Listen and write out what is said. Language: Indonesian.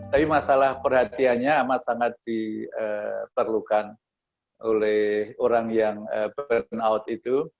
tapi masalah perhatiannya amat sangat diperlukan oleh orang yang burnout itu